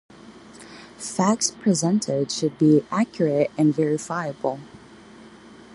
Facts presented should be accurate and verifiable.